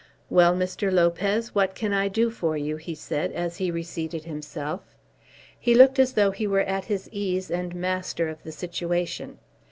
"Well, Mr. Lopez, what can I do for you?" he said, as he reseated himself. He looked as though he were at his ease and master of the situation.